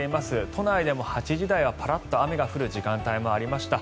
都内でも８時台はパラっと雨が降る時間帯もありました。